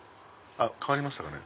変わりましたかね？